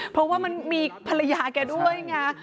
เพราะว่ามันมีภรรยาแกด้วยไง